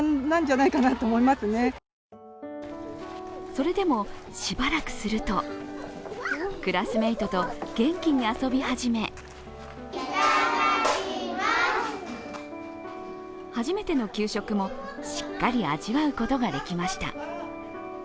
それでもしばらくするとクラスメイトと元気に遊び始め初めての給食もしっかり味わうことができました。